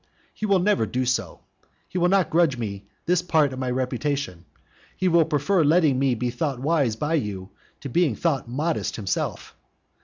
He will never do so. He will not grudge me this part of my reputation, he will prefer letting me be thought wise by you to being thought modest himself.